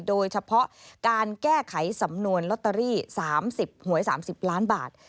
โดยเฉพาะการแก้ไขสำนวนลอตเตอรี่๓๐หวย๓๐ล้านบาท